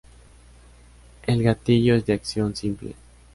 El gatillo es de acción simple.